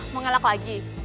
mau ngelak lagi